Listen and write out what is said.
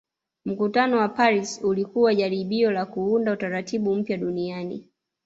Mkutano wa Paris ulikuwa jaribio la kuunda Utaratibu mpya duniani